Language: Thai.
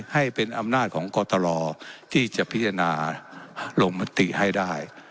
ให้เป็นอำนาจของกตรที่จะพิจารณาลงมติให้ได้